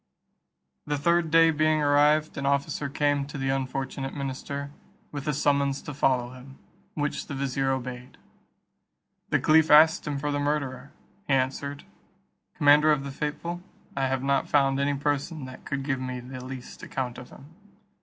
The third day being arrived, an officer came to the unfortunate minister, with a summons to follow him, which the vizier obeyed. The caliph asked him for the murderer. He answered, "Commander of the faithful, I have not found any person that could give me the least account of him."